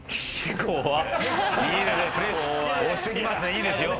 いいですよ。